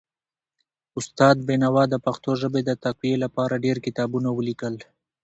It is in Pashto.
استاد بینوا د پښتو ژبې د تقويي لپاره ډېر کتابونه ولیکل.